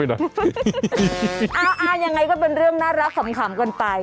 ยังไงก็เป็นเรื่องน่ารักขำกันไป